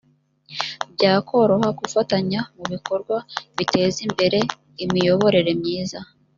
byakoroha gufatanya mu bikorwa biteza imbere imiyoborere myiza